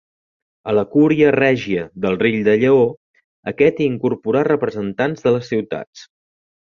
A la cúria règia del rei de Lleó, aquest hi incorporà representants de les ciutats.